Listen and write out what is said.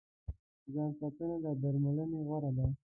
ځان ساتنه له درملنې غوره ده.